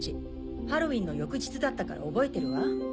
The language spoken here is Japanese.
ハロウィンの翌日だったから覚えてるわ。